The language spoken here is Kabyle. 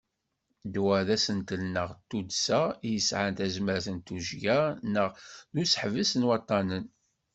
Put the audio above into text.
Ddwa d asentel neɣ d tuddsa i yesɛan tazmert n tujya neɣ n useḥbes n waṭṭanen.